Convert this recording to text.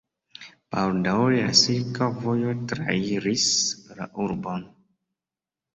Baldaŭe la silka vojo trairis la urbon.